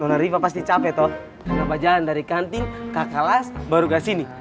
dona rifah pasti capek toh kenapa jalan dari kantin ke kalas baru ke sini